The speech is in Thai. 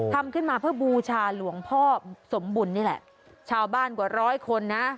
ทำขึ้นมาเพื่อบูชาหลวงพ่อสมบุญนี่แหละชาวบ้านกว่าร้อยคนนะ